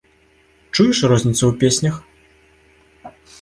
Чуеш розніцу ў песнях?